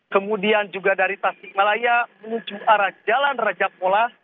kemudian juga dari tasik malaya menuju arah jalan raja pola